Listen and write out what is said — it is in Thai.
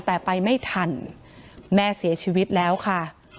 แต่ไปไม่ทันแม่เสียชีวิตแล้วค่ะ